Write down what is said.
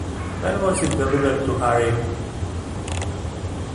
When was it delivered to Harry?